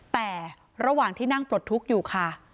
แต่ระหว่างที่นั่งปลดทุกข์อยู่ค่ะ